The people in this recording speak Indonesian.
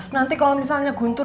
nanti kalau misalnya guntur